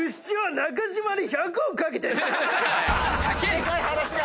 でかい話が。